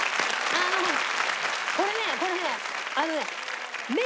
あのこれねこれねあのね。